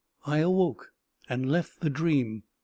I awoke and left the dream.